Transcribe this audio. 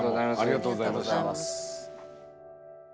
ありがとうございます。